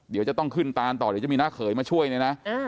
เดี๋ยวจะต้องขึ้นตานต่อเดี๋ยวจะมีน้าเขยมาช่วยเนี่ยนะ